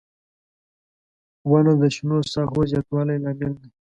• ونه د شنو ساحو زیاتوالي لامل دی.